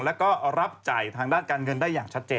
แล้วก็รับจ่ายทางด้านการเงินได้อย่างชัดเจน